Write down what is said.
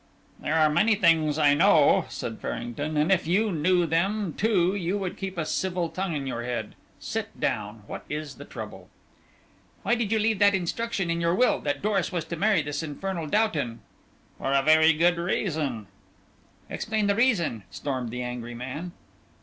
"There are many things I know," said Farrington, "and if you knew them too you would keep a civil tongue in your head. Sit down. What is the trouble?" "Why did you leave that instruction in your will? That Doris was to marry this infernal Doughton?" "For a very good reason." "Explain the reason!" stormed the angry man.